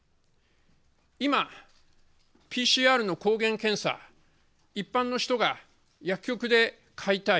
今ＰＣＲの抗原検査、一般の人が薬局で買いたい。